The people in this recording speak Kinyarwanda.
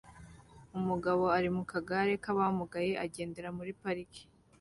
Umugabo uri mu kagare k'abamugaye agendera muri parike